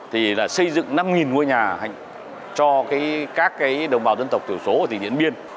thì là xây dựng năm ngôi nhà cho các đồng bào dân tộc tiểu số ở tỉnh điện biên